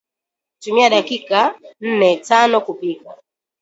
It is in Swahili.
Tumia dakika nnetanokupika